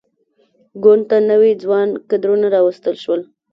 ګوند ته نوي ځوان کدرونه راوستل شول.